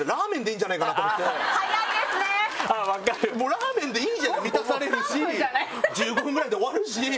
ラーメンでいいじゃない満たされるし１５分ぐらいで終わるし。